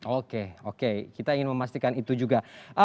oke oke kita ingin memastikan itu juga